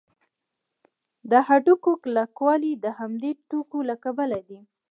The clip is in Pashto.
د هډوکو کلکوالی د همدې توکو له کبله دی.